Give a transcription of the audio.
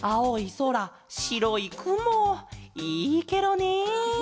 そらしろいくもいいケロね。